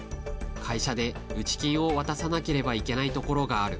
会社で内金を渡さなければいけないところがある。